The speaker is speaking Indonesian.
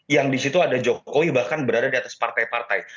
yang di situ ada jokowi bahkan berada di atas partai partai